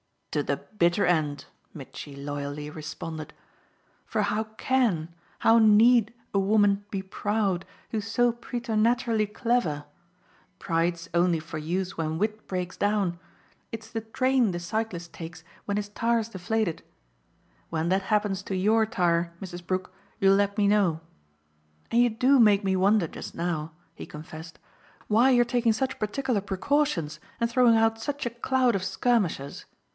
"To the bitter end," Mitchy loyally responded. "For how CAN, how need, a woman be 'proud' who's so preternaturally clever? Pride's only for use when wit breaks down it's the train the cyclist takes when his tire's deflated. When that happens to YOUR tire, Mrs. Brook, you'll let me know. And you do make me wonder just now," he confessed, "why you're taking such particular precautions and throwing out such a cloud of skirmishers.